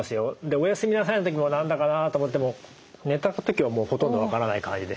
お休みなさいの時も何だかなと思っても寝た時はもうほとんど分からない感じでした。